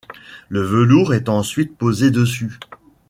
Le velours est ensuite posé dessus.